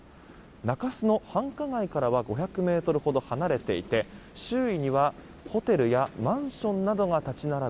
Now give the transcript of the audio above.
中洲の繁華街からは５００ｍほど離れていて周囲には、ホテルやマンションなどが立ち並ぶ